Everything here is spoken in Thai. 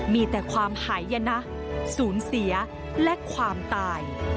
มีแต่ความหายนะศูนย์เสียและความตาย